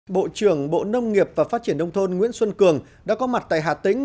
bộ trưởng bộ nông nghiệp và phát triển đông thôn nguyễn xuân cường đã có mặt tại hà tĩnh